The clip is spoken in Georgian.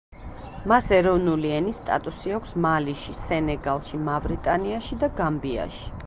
მას ეროვნული ენის სტატუსი აქვს მალიში, სენეგალში, მავრიტანიაში და გამბიაში.